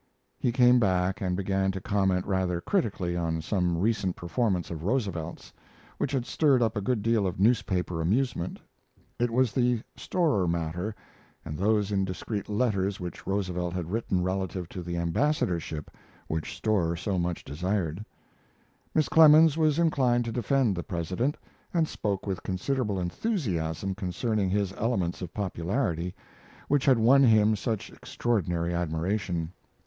He came back and began to comment rather critically on some recent performance of Roosevelt's, which had stirred up a good deal of newspaper amusement it was the Storer matter and those indiscreet letters which Roosevelt had written relative to the ambassadorship which Storer so much desired. Miss Clemens was inclined to defend the President, and spoke with considerable enthusiasm concerning his elements of popularity, which had won him such extraordinary admiration.